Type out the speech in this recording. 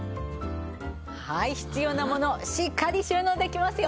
はい必要なものしっかり収納できますよ。